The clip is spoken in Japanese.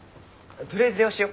取りあえず電話しよ。